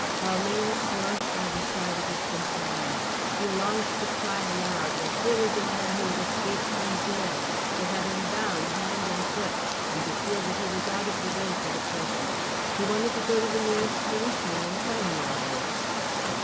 Balmayne slunk by the side of his companion. He longed to cry aloud that here was a man who had escaped from gaol, to have him bound hand and foot, and to feel that he was out of the way for the present. He wanted to go to the nearest policeman and tell him all this.